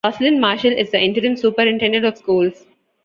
Roslin Marshall is the Interim Superintendent of Schools.